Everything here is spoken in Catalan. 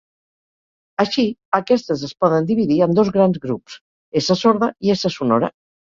Així, aquestes es poden dividir en dos grans grups: essa sorda i essa sonora.